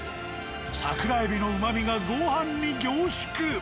桜海老のうまみがご飯に凝縮。